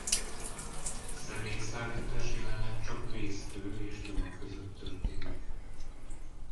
Személyszállítás jelenleg csak Vésztő és Gyoma között történik.